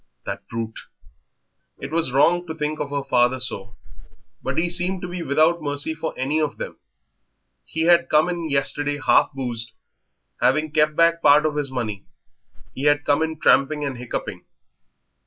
That brute! It was wrong to think of her father so, but he seemed to be without mercy for any of them. He had come in yesterday half boozed, having kept back part of his money he had come in tramping and hiccuping.